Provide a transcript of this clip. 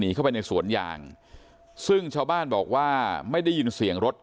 เข้าไปในสวนยางซึ่งชาวบ้านบอกว่าไม่ได้ยินเสียงรถ